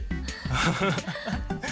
ハハハハ。